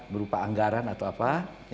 berupa anggaran atau apa